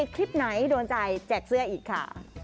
คลิปไหนโดนใจแจกเสื้ออีกค่ะ